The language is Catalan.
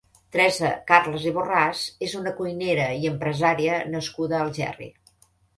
Teresa Carles i Borràs és una cuinera i empresària nascuda a Algerri.